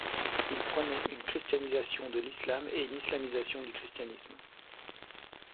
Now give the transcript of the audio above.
Il prônait une christianisation de l’islam et une islamisation du christianisme.